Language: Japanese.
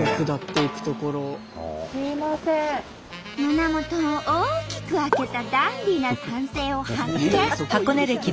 胸元を大きく開けたダンディーな男性を発見！